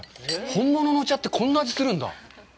本物のお茶って、こんな味するんだ。